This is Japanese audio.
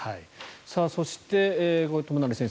そして、友成先生